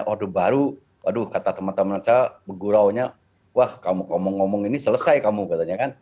aduh baru aduh kata teman teman saya bergurau wah kamu ngomong ngomong ini selesai katanya